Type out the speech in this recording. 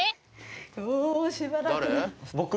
おおしばらく。